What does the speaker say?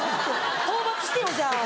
討伐してよじゃあ。